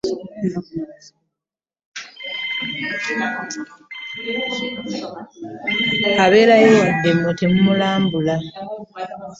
Abeerayo wadde mmwe temumulambula.